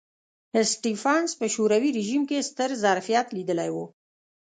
سټېفنس په شوروي رژیم کې ستر ظرفیت لیدلی و